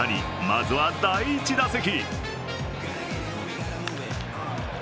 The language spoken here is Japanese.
まずは、第１打席。